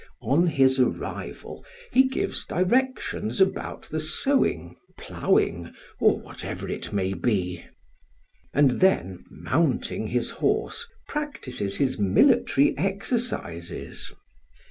On his arrival he gives directions about the sowing, ploughing, or whatever it may be, and then mounting his horse practices his military exercises.